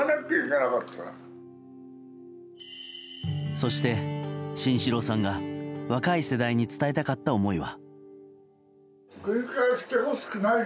そして、慎四郎さんが若い世代に伝えたかった思いは。